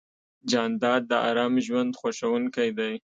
جانداد د ارام ژوند خوښوونکی دی.